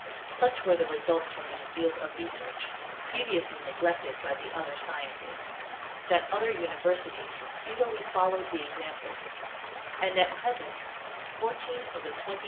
Such were the results from this field of research, previ ously rfeglected by the other sciences, that other universities speedily followed the example, and at present fourteen of the (200) The Importance of Geography.